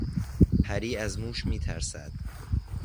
پری از موش میترسد.